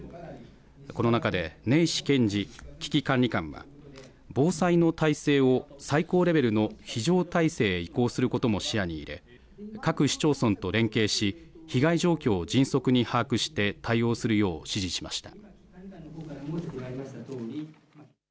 この中で、根石憲司危機管理監は、防災の体制を最高レベルの非常体制へ移行することも視野に入れ、各市町村と連携し、被害状況を迅速に把握して、対応するよう指示しました。